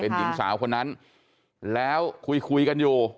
เป็นหญิงสาวคนนั้นแล้วคุยกันอยู่